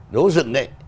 đố dựng đấy